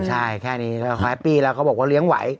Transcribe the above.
ใช่แค่นี้แล้วแฮปปี้แล้วก็บอกว่าเลี้ยงไหว